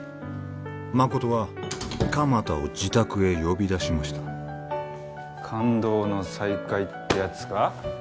誠は鎌田を自宅へ呼び出しました感動の再会ってやつか？